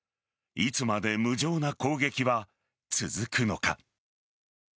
いつまで無情な攻撃は続くのか。